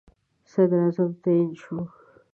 صدراعظم تعیین شول.